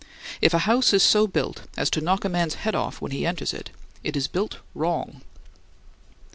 If a house is so built as to knock a man's head off when he enters it, it is built wrong.